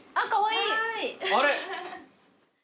あれ。